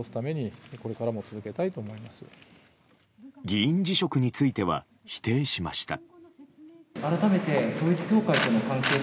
議員辞職については否定しました。